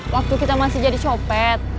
waktu kita masih jadi copet